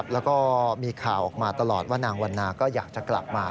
แล้วก็มีข่าวออกมาตลอดว่านางวันนาก็อยากจะกลับมา